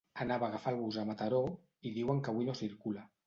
Anava a agafar el bus a Mataró i diuen que avui no circula.